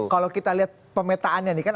kalau kita lihat pemetaannya nih kan